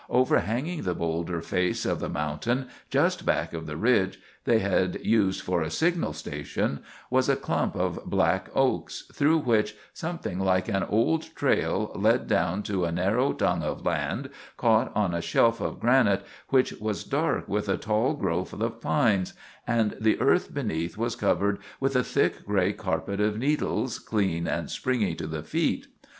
Overhanging the boulder face of the mountain, just back of the ridge they had used for a signal station, was a clump of black oaks, through which something like an old trail led down to a narrow tongue of land caught on a shelf of granite, which was dark with a tall growth of pines, and the earth beneath was covered with a thick, gray carpet of needles, clean and springy to the feet.